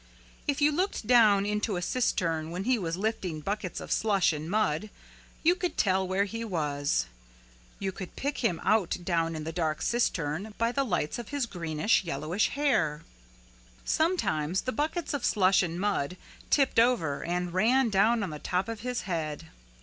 If you looked down into a cistern when he was lifting buckets of slush and mud you could tell where he was, you could pick him out down in the dark cistern, by the lights of his greenish yellowish hair. Sometimes the buckets of slush and mud tipped over and ran down on the top of his head.